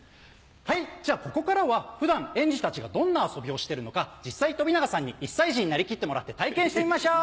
はいじゃあここからは普段園児たちがどんな遊びをしてるのか実際飛永さんに１歳児になりきってもらって体験してみましょう！